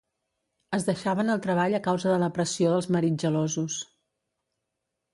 Es deixaven el treball a causa de la pressió dels marits gelosos.